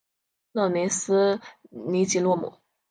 勒梅斯尼吉洛姆。